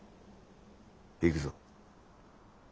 行くぞ。